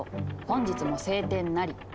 本日も晴天なり。